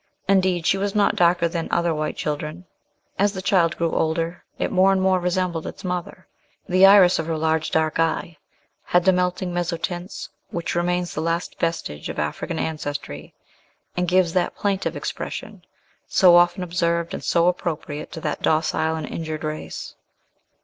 Indeed she was not darker than other white children. As the child grew older, it more and more resembled its mother. The iris of her large dark eye had the melting mezzotints, which remains the last vestige of African ancestry, and gives that plaintive expression, so often observed, and so appropriate to that docile and injured race.